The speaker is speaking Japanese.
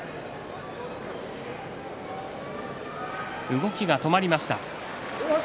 動きが止まりました。